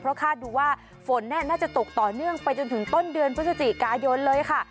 เพราะคาดดูว่าฝนน่าจะตกต่อเนื่องไปจนถึงต้นเดือนพฤศจิกายนเลยค่ะ